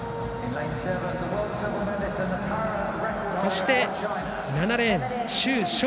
そして７レーン周召倩。